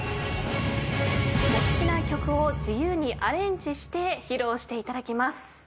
お好きな曲を自由にアレンジして披露していただきます。